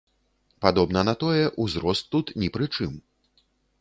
Падобна на тое, узрост тут ні пры чым.